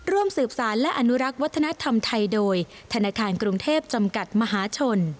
ร่วมสืบสารและอนุรักษ์วัฒนธรรมไทยโดยธนาคารกรุงเทพจำกัดมหาชน